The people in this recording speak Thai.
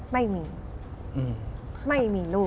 ไม่มีไม่มีลูกด้วย